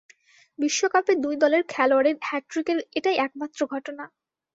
বিশ্বকাপে দুই দলের খেলোয়াড়ের হ্যাটট্রিকের এটাই একমাত্র ঘটনা।